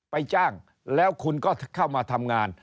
จ้างแล้วคุณก็เข้ามาทำงาน